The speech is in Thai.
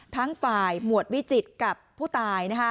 ทั้งฝ่ายหมวดวิจิตรกับผู้ตาย